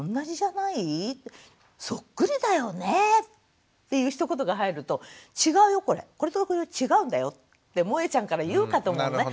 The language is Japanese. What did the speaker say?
「そっくりだよね」っていうひと言が入ると「違うよこれこれとこれは違うんだよ」ってもえちゃんから言うかと思うのね。